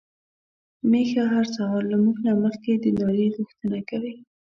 ميښه هر سهار له موږ نه مخکې د ناري غوښتنه کوي.